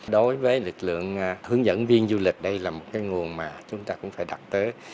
đối với lực lượng hướng dẫn viên du lịch đây là một cái nguồn mà chúng ta cũng phải đặt tới